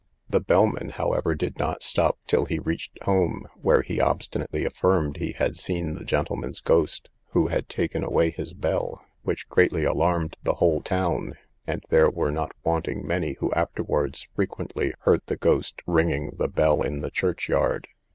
The bellman, however, did not stop till he reached home, where he obstinately affirmed he had seen the gentleman's ghost, who had taken away his bell, which greatly alarmed the whole town; and there were not wanting many who afterwards frequently heard the ghost ringing the bell in the church yard.